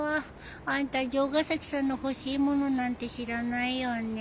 あんた城ヶ崎さんの欲しい物なんて知らないよね。